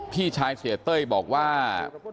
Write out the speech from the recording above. พี่ชายเสียเต้ยบอกว่า